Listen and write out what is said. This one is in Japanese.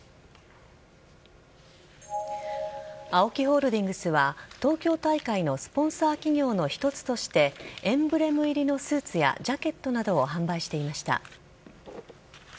ＡＯＫＩホールディングスは東京大会のスポンサー企業の一つとしてエンブレム入りのスーツやジャケットなどを販売していました。